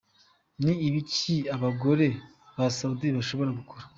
Ni ibiki abagore ba Saudia badashobora gukora?.